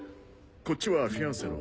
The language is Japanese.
こっちはフィアンセの。